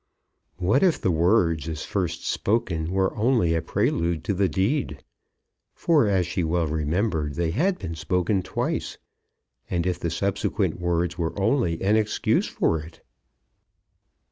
What if the words as first spoken were only a prelude to the deed, for, as she well remembered, they had been spoken twice, and if the subsequent words were only an excuse for it!